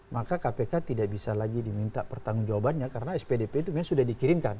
maka kpk tidak bisa lagi diminta pertanggung jawabannya karena spdp itu sudah dikirimkan